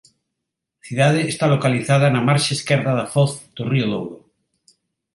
A cidade está localizada na marxe esquerda da foz do río Douro.